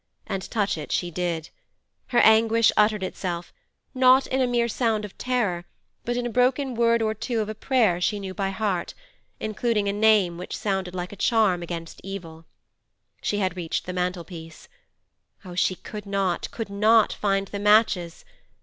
And touch it she did. Her anguish uttered itself, not in a mere sound of terror, but in a broken word or two of a prayer she knew by heart, including a name which sounded like a charm against evil. She had reached the mantel piece; oh, she could not, could not find the matches!